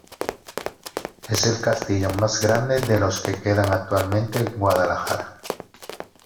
Es el castillo más grande de los que quedan actualmente en Guadalajara.